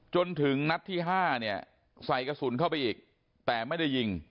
จนถึงนัดที่๕เนี่ยใส่กระสุนเข้าไปอีกแต่ไม่ได้ยิง